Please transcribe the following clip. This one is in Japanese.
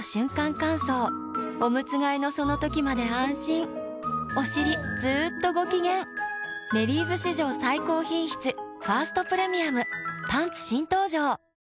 乾燥おむつ替えのその時まで安心おしりずっとご機嫌「メリーズ」史上最高品質「ファーストプレミアム」パンツ新登場！